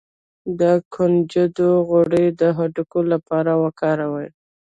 د کنجد غوړي د هډوکو لپاره وکاروئ